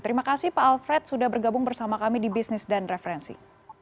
terima kasih pak alfred sudah bergabung bersama kami di bisnis dan referensi